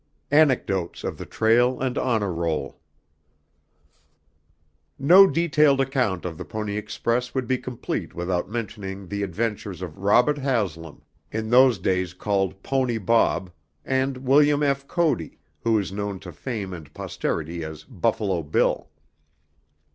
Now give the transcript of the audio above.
Chapter VII Anecdotes of the Trail and Honor Roll No detailed account of the Pony Express would be complete without mentioning the adventures of Robert Haslam, in those days called "Pony Bob," and William F. Cody, who is known to fame and posterity as "Buffalo Bill."